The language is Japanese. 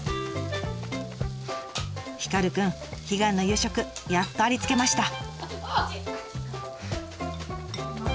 ヒカルくん悲願の夕食やっとありつけました。